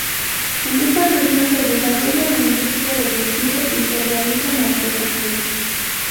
En esta región se desarrolla la industria del vestido y se realizan artesanías.